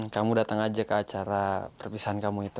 kamu datang aja ke acara perpisahan kamu itu